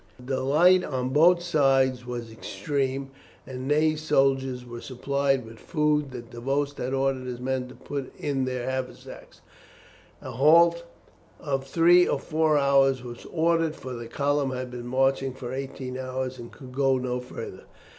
The delight on both sides was extreme, and Ney's soldiers were supplied with food that Davoust had ordered his men to put in their haversacks. A halt of three or four hours was ordered, for the column had been marching for eighteen hours, and could go no further.